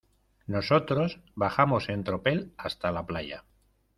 nosotros bajamos en tropel hasta la playa.